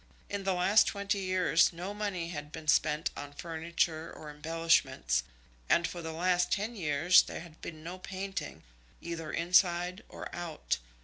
In the last twenty years no money had been spent on furniture or embellishments, and for the last ten years there had been no painting, either inside or out.